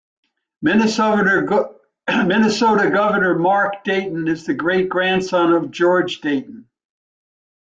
Minnesota Governor Mark Dayton is the great-grandson of George Dayton.